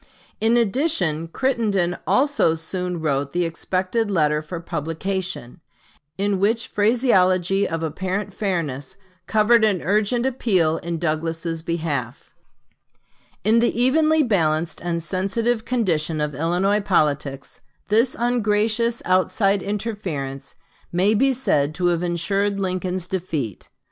In addition Crittenden also soon wrote the expected letter for publication, in which phraseology of apparent fairness covered an urgent appeal in Douglas's behalf. Lincoln Douglas Debates, pp. 4 5. In the evenly balanced and sensitive condition of Illinois politics this ungracious outside interference may be said to have insured Lincoln's defeat.